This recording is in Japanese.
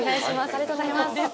ありがとうございます。